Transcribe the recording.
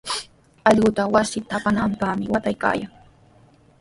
Allqutaqa wasita taapananpaqmi waataykaayan.